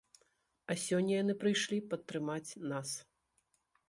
А сёння яны прыйшлі падтрымаць нас!